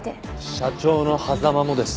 社長の狭間もです。